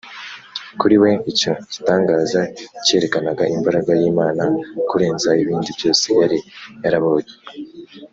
kuri we, icyo gitangaza cyerekanaga imbaraga y’imana kurenza ibindi byose yari yarabonye